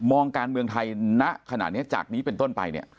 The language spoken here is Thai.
การเมืองไทยณขณะนี้จากนี้เป็นต้นไปเนี่ย